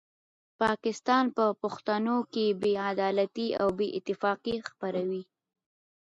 پاکستان په پښتنو کې بې عدالتي او بې اتفاقي خپروي.